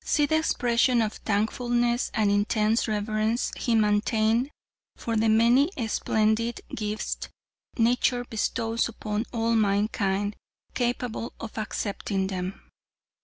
See the expression of thankfulness and intense reverence he maintained for the many splendid gifts nature bestows upon all mankind capable of accepting them.